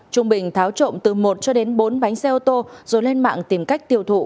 trung bình tháo trộm từ một cho đến bốn bánh xe ô tô rồi lên mạng tìm cách tiêu thụ